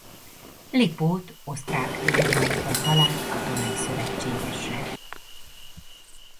Lipót osztrák őrgrófban talált katonai szövetségesre.